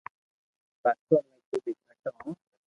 پاڪستان مي ڪجھ گھٽ ھون